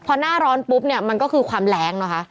พอหน้าร้อนปุ๊บเนี่ยมันก็คือความแรงนะคะ